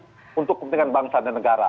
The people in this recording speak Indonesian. untuk kepentingan bangsa dan negara